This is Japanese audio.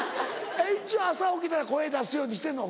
一応朝起きたら声出すようにしてんの？